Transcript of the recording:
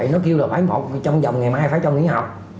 nó kêu là phải một trong dòng ngày mai phải trong nghỉ học